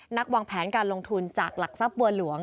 วางแผนการลงทุนจากหลักทรัพย์บัวหลวง